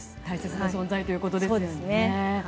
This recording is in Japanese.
大切な存在ということですね。